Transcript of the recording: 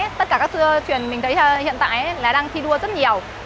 tất cả các truyền mình thấy hiện tại là đang thi đua rất nhiều